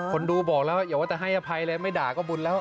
คนดูบอกแล้วอย่าว่าจะให้อภัยเลยไม่ด่าก็บุญแล้ว